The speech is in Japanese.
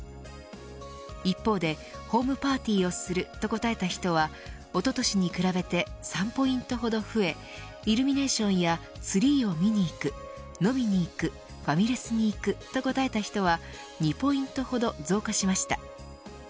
一方で、ホームパーティーをすると答えた人はおととしに比べて３ポイントほど増えイルミネーションやツリーを見に行く飲みに行く、ファミレスに行くと答えた人は２ポイントほど増加しました。